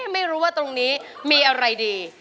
ไม่รู้ว่าตรงนี้มีอะไรดี